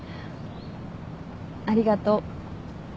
ありがとう。